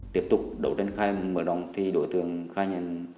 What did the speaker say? tiếp tục đầu tiên khai mở đóng thì đối tượng khai nhân